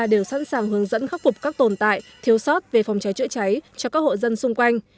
đều sẵn sàng hướng dẫn khắc phục các tồn tại thiếu sót về phòng cháy chữa cháy cho các hộ dân xung quanh